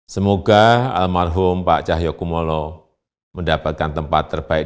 semoga almarhum pak cahyokumolo mendapatkan tempat terbaik